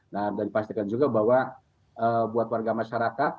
nah dan pastikan juga bahwa buat warga masyarakat